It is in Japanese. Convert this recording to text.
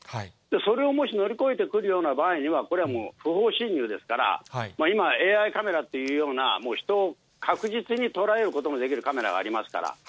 それをもし乗り越えてくるような場合には、これはもう不法侵入ですから、今は、ＡＩカメラっていうような、人を確実に捉えることのできるカメラがありますから。